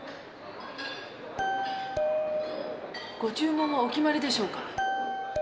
ご注文はお決まりでしょうか？